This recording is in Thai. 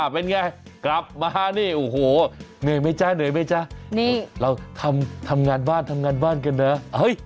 เป็นไงกลับมานี่โอ้โหเหนื่อยไหมจ๊ะเหนื่อยไหมจ๊ะนี่เราทำงานบ้านทำงานบ้านกันนะ